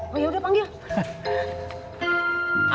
oh yaudah panggil